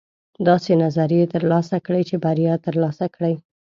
داسې نظریې ترلاسه کړئ چې بریا ترلاسه کړئ.